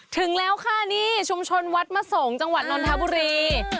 ถึงแล้วค่ะนี่ชุมชนวัดมะสงศ์จังหวัดนนทบุรี